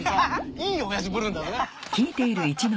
いい親父ぶるんだよな。